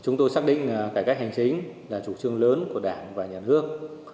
chúng tôi xác định cải cách hành chính là chủ trương lớn của đảng và nhà nước